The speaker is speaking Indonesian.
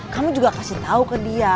kamu juga kasih tahu ke dia